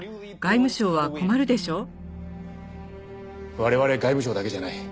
我々外務省だけじゃない。